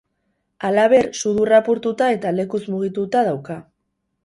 Halaber, sudurra apurtuta eta lekuz mugituta dauka.